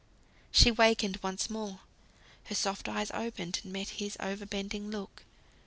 She wakened once more; her soft eyes opened, and met his over bending look.